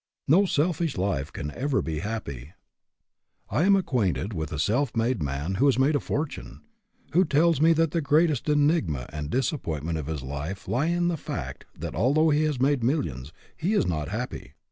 No selfish life can ever be happy. I am ac ; HAPPY? IF NOT, WHY NOT? 159 quainted with a self made man who has made a fortune, who tells me that the greatest enigma and disappointment of his life lie in the fact that, although he has made millions, he is not happy.